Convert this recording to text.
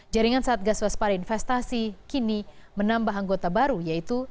jaringan satgas waspada investasi kini menambah anggota baru yaitu